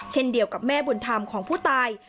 เช่นเดียวกับแม่บุญธรรมของผู้ตาย